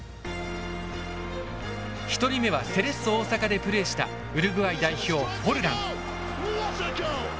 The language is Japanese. １人目はセレッソ大阪でプレーしたウルグアイ代表フォルラン。